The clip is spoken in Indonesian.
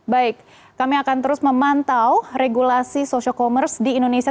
baik kami akan terus memantau regulasi social commerce di indonesia